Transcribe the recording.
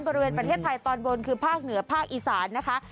บริเวณประเทศไทยตอนบนคือภาคเหนือภาคอีสานนะคะ